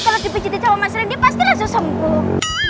kalau dibijikin sama mas rendy pasti langsung sembuh